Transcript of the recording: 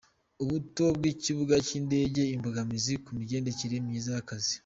Ubuto bw’ikibuga cy’indege, imbogamizi ku migendekere myiza y’akazi